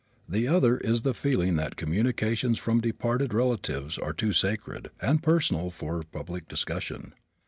The other is the feeling that communications from departed relatives are too sacred and personal for public discussion.